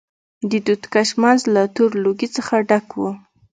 د دود کش منځ له تور لوګي څخه ډک و.